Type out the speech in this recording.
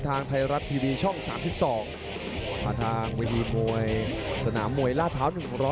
ทางไพร้ททีวีช่อง๓๒ทางเวสมุยสนามมวยลาพาว๑๐๑